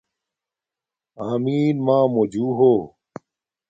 آمݵن مݳمݸ جُݸ ہݸ